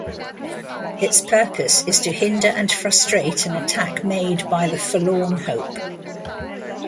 Its purpose is to hinder and frustrate an attack made by the forlorn hope.